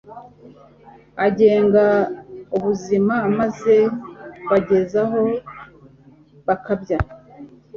agenga ubuzima maze bageza aho bakabya